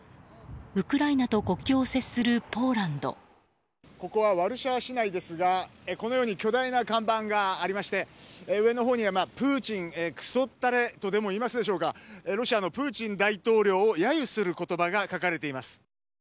ウクライナと国境を接するここはワルシャワ市内ですがこのように巨大な看板がありまして上のほうにはプーチンくそったれとでもいいますでしょうかロシアのプーチン大統領を揶揄する言葉が書かれています。